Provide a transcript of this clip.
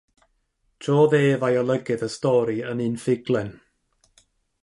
Trodd ef a'i olygydd y stori yn un ffuglen.